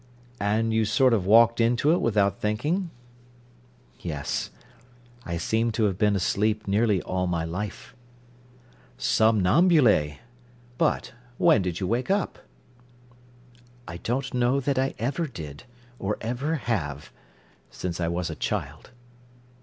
"And you sort of walked into it without thinking?" "Yes. I seemed to have been asleep nearly all my life." "Somnambule? But—when did you wake up?" "I don't know that I ever did, or ever have—since I was a child."